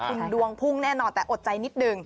คุณดวงพุ่งแน่นอนแต่อดใจนิดหนึ่ง